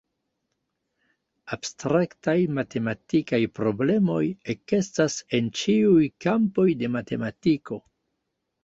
Abstraktaj matematikaj problemoj ekestas en ĉiuj kampoj de matematiko.